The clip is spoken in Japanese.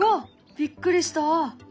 びっくりしたあ。